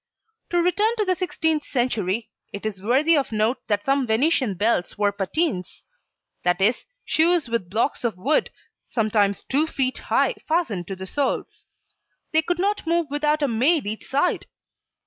To return to the sixteenth century, it is worthy of note that some Venetian belles wore patines that is, shoes with blocks of wood, sometimes two feet high, fastened to the soles. They could not move without a maid each side!